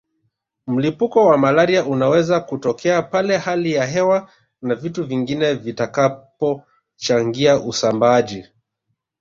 Mlipuko wa malaria unaweza kutokea pale hali ya hewa na vitu vingine vitakapochangia usambaaji